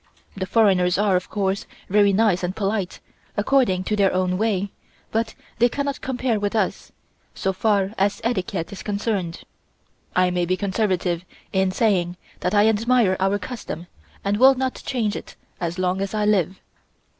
The foreigners are, of course, very nice and polite, according to their own way, but they cannot compare with us, so far as etiquette is concerned. I may be conservative in saying that I admire our custom and will not change it as long as I live.